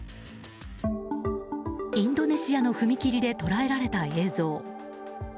インドネシアの踏切で捉えられた映像。